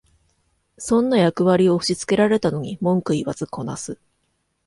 損な役割を押しつけられたのに文句言わずこなす